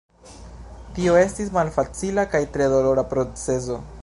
Tio estis malfacila kaj tre dolora procezo.